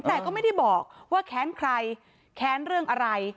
แต่ก็ไม่ได้บอกว่าแค้นใครแค้นเรื่องอะไร